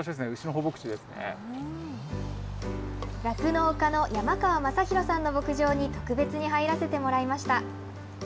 酪農家の山川将弘さんの牧場に、特別に入らせてもらいました。